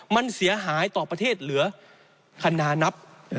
มันเสียหายต่อประเทศเหลือคณะนับ